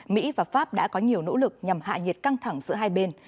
mỹ và pháp đã có nhiều nỗ lực nhằm hạ nhiệt căng thẳng giữa hai bên